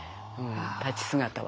立ち姿は。